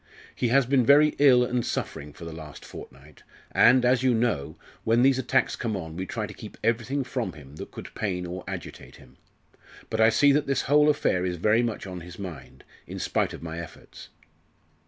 He has been very ill and suffering for the last fortnight, and, as you know, when these attacks come on we try to keep everything from him that could pain or agitate him. But I see that this whole affair is very much on his mind, in spite of my efforts.